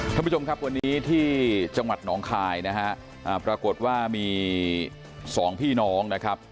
ท่านผู้ชมครับวันนี้ที่จังหวัดหนองคายนะฮะปรากฏว่ามีสองพี่น้องนะครับ